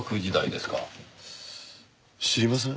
知りません？